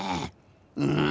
うん。